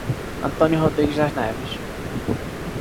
Antônio Rodrigues Das Neves